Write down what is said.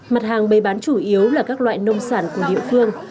mặt hàng bày bán chủ yếu là các loại nông sản của địa phương